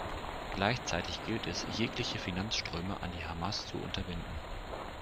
Gleichzeitig gilt es, jegliche Finanzströme an die Hamas zu unterbinden.